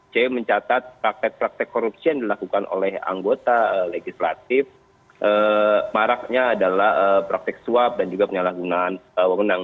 kita mencatat praktek praktek korupsi yang dilakukan oleh anggota legislatif marahnya adalah praktek swap dan juga penyalahgunaan wang menang